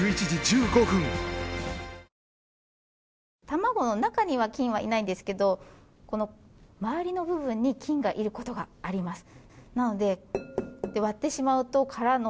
卵の中には菌はいないんですけど周りの部分に菌がいることがあります。